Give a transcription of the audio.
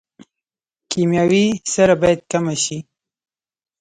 کیمیاوي سره باید کمه شي